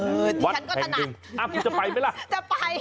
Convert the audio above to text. กูจะไปไหมล่ะจะไป